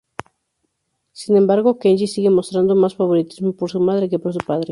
Sin embargo, Kenji sigue mostrando más favoritismo por su madre que por su padre.